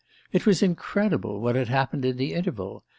It was incredible, what had happened in the interval.